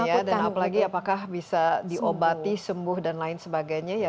apalagi apakah bisa diobati sembuh dan lain sebagainya